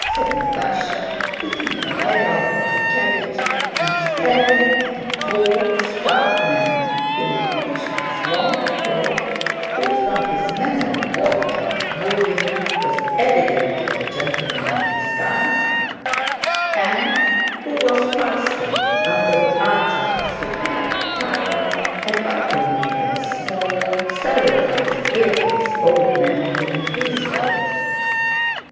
said Natásha, putting her head out of the carriage and staring at a tall, stout man in a coachman's long coat, who from his manner of walking and moving was evidently a gentleman in disguise, and who was passing under the arch of the Súkharev tower accompanied by a small, sallow faced, beardless old man in a frieze coat.